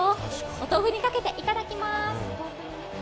お豆腐にかけて、いただきます。